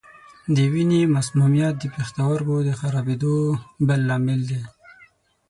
د وینې مسمومیت د پښتورګو د خرابېدو بل لامل دی.